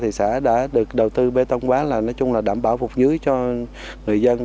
thì xã đã được đầu tư bê tông quá là đảm bảo phục dưới cho người dân